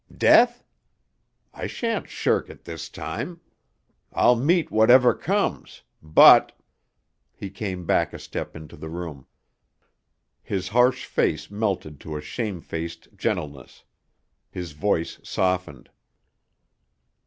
Death? I shan't shirk it this time. I'll meet whatever comes. But " He came back a step into the room. His harsh face melted to a shamefaced gentleness; his voice softened.